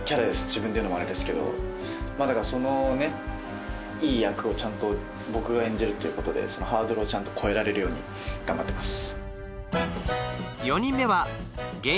自分で言うのもあれですけどだからそのねいい役をちゃんと僕が演じるってことでハードルをちゃんと越えられるように頑張ってます